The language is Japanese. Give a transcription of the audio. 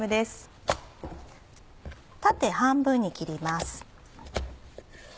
縦半分に切ります。